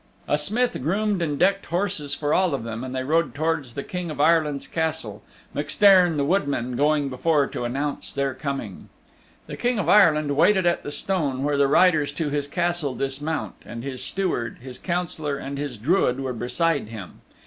A smith groomed and decked horses for all of them and they rode towards the King of Ireland's Castle, MacStairn, the Woodman, going before to announce their coming. The King of Ireland waited at the stone where the riders to his Castle dismount, and his steward, his Councillor and his Druid were beside him.